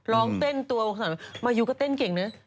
ลองเต้นตัวมาอยู่ก็เต้นเก่งเนี่ย